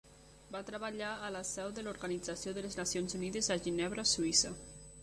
Va treballar a la seu de l'Organització de les Nacions Unides en Ginebra, Suïssa.